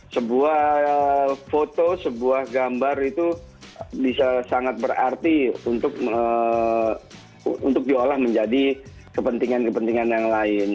sebuah foto sebuah gambar itu bisa sangat berarti untuk diolah menjadi kepentingan kepentingan yang lain